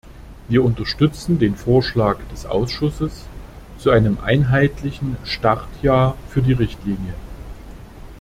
Wir unterstützen den Vorschlag des Ausschusses zu einem einheitlichen Start-Jahr für die Richtlinie.